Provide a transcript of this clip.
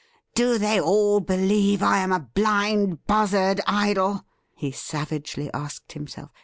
' Do they all believe I am a blind buzzard idol ?' he savagely asked himself.